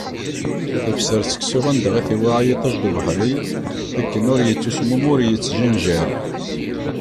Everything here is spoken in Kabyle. Tefser seksu anda i t-iweɛɛa yiṭij d ubeḥri, akken ur yettismum ur yettjinjiṛ.